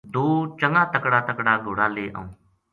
دو چنگا تکڑا تکڑا گھوڑا لے آئوں